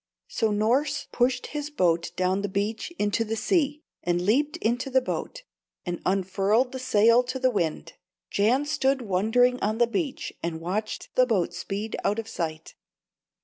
So Norss pushed his boat down the beach into the sea, and leaped into the boat, and unfurled the sail to the wind. Jan stood wondering on the beach, and watched the boat speed out of sight.